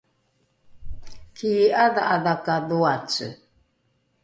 kii’adha’adha ka dhoace